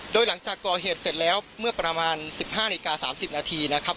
โดยหลังจากก่อเหตุเสร็จแล้วเมื่อประมาณ๑๕นาฬิกา๓๐นาทีนะครับ